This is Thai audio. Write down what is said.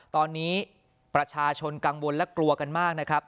ตอนนี้ประชาชนกังวลและกลัวกันมากนะครับ